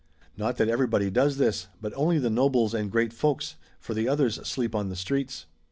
Not that everybody does this, but only the nobles and great folks, for the others sleep on the streets.'